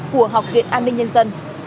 của học viện an ninh nhân dân